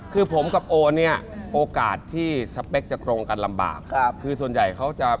คือผมกับโอเนี่ยโอกาสที่สเปคจะตรงกันลำบากครับคือส่วนใหญ่เขาจะ